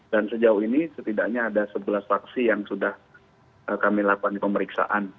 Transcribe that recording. dan sejauh ini setidaknya ada sebelas faksi yang sudah kami lakukan pemeriksaan